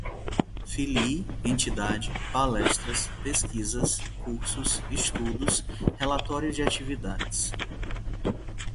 Filie, entidade, palestras, pesquisas, cursos, estudos, relatório de atividades